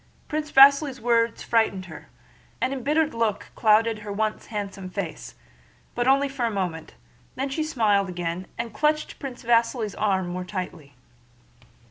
Prince Vasíli's words frightened her, an embittered look clouded her once handsome face, but only for a moment; then she smiled again and clutched Prince Vasíli's arm more tightly.